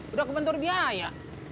udah kebentur biaya